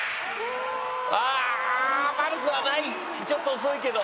ちょっと遅いけど。